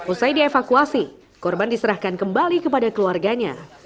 usai dievakuasi korban diserahkan kembali kepada keluarganya